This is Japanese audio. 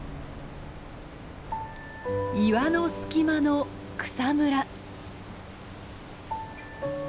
岩の隙間の草むら。